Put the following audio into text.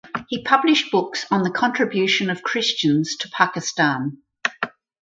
He published books on the contribution of Christians to Pakistan.